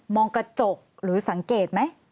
องกระจกหรือสังเกตไหม